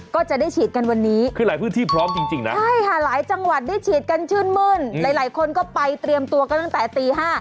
ก็จะได้ฉีดกันวันนี้ใช่ค่ะหลายจังหวัดได้ฉีดกันชื่นมื้นหลายคนก็ไปเตรียมตัวกันตั้งแต่ตี๕